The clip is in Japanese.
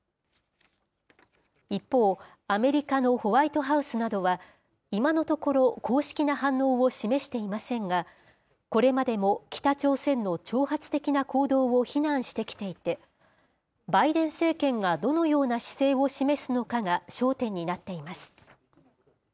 一方、アメリカのホワイトハウスなどは、今のところ、公式な反応を示していませんが、これまでも北朝鮮の挑発的な行動を非難してきていて、バイデン政権がどのような姿勢を示すのかが焦点になっています。